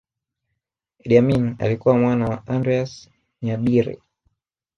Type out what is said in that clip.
Idi Amin alikuwa mwana wa Andreas Nyabire